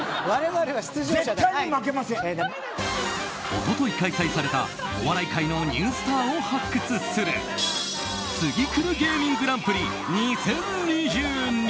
一昨日開催された、お笑い界のニュースターを発掘する「ツギクル芸人グランプリ２０２２」。